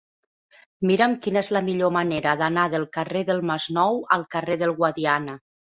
Mira'm quina és la millor manera d'anar del carrer del Masnou al carrer del Guadiana.